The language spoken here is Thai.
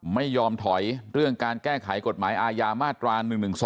ไม่ยอมถอยเรื่องการแก้ไขกฎหมายอาญามาตรา๑๑๒